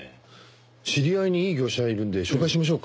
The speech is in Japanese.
知り合いにいい業者がいるんで紹介しましょうか？